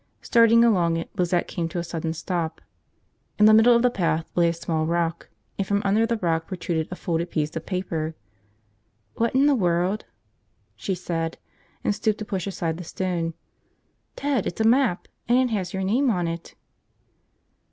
Starring along it, Lizette came to a sudden stop. In the middle of the path lay a small rock, and from under the rock protruded a folded piece of paper. "What in the world ..." she said, and stooped to push aside the stone. "Ted, it's a map. And it has your name on it!"